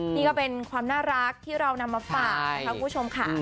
นี่ก็เป็นความน่ารักที่เรานำมาฝากนะคะคุณผู้ชมค่ะ